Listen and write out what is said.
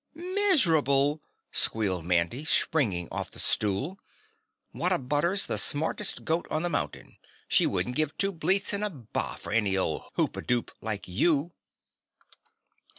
"Miserable!" squealed Mandy, springing off the stool. "What a butter's the smartest goat on the mountain; she wouldn't give two bleats and a BAH for an old Hoopadoop like YOU!"